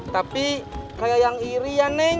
tapi kayak yang iri ya neng